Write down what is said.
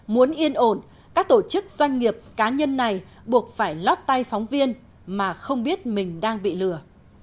muốn yên ổn các tổ chức doanh nghiệp cá nhân này buộc phải lót tay phóng viên mà không biết mình đang bị lừa